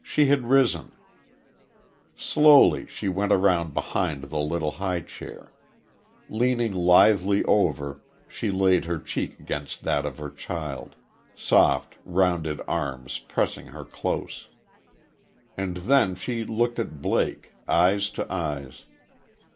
She had risen. Slowly she went around behind the little high chair. Leaning lithely over, she laid her cheek against that of her child, soft, rounded arms pressing her close. And then she looked at Blake, eyes to eyes.